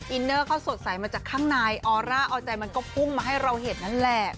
อินเนอร์เขาสดใสมาจากข้างในออร่าออใจมันก็พุ่งมาให้เราเห็นนั่นแหละ